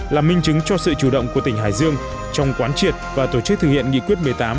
là minh chứng cho sự chủ động của tỉnh hải dương trong quán triệt và tổ chức thực hiện nghị quyết một mươi tám